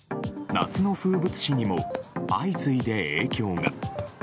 夏の風物詩にも相次いで影響が。